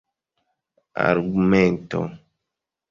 argumento